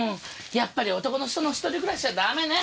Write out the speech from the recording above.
やっぱり男の人の一人暮らしはダメね！